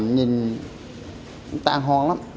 nhìn tan hoang